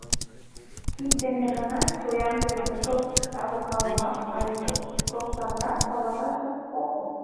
Кид дене гына чоян пӧрдыктыл-савыркалымаш, але, простанрак каласаш гын, фокус...